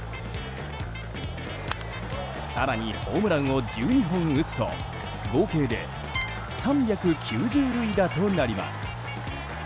更に、ホームランを１２本打つと合計で３９０塁打となります。